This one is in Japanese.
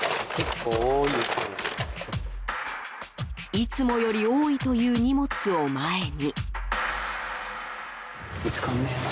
いつもより多いという荷物を前に。